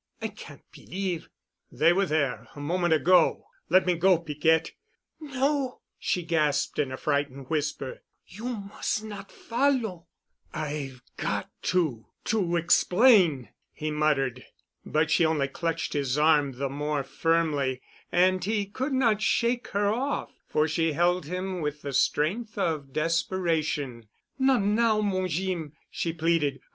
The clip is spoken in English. I can't believe——" "They were there a moment ago. Let me go, Piquette." "No," she gasped in a frightened whisper. "You mus' not follow——" "I've got to—to explain," he muttered. But she only clutched his arm the more firmly and he could not shake her off, for she held him with the strength of desperation. "Not now, mon Jeem," she pleaded.